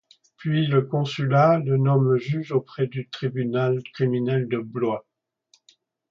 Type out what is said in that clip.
Puis le Consulat le nomme juge auprès du tribunal criminel de Blois.